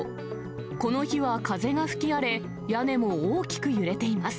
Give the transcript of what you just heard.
この日は風が吹き荒れ、屋根も大きく揺れています。